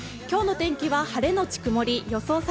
今日の天気は晴れのち曇り予想